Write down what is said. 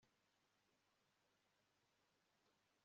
Kuki Tom yabeshye Mariya